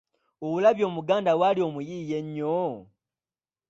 Olabye Omuganda bw'ali omuyiiya ennyo?